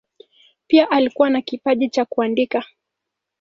Pia alikuwa na kipaji cha kuandika.